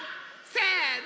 せの！